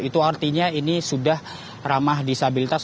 itu artinya ini sudah ramah disabilitas